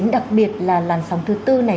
đặc biệt là làn sóng thứ bốn này